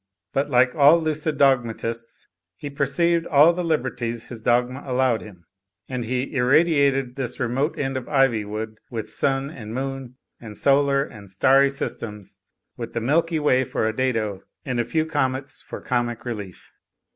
But, like all lucid dogmatists, he perceived all the liberties his dogma allowed him. And he had irradiated this remote end of Ivywood with sim and moon and solar and starry systems, with the Milky Way for a dado and a few comets for comic relief.